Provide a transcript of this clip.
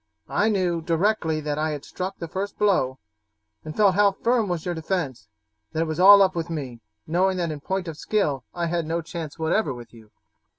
I knew, directly that I had struck the first blow, and felt how firm was your defence, that it was all up with me, knowing that in point of skill I had no chance whatever with you.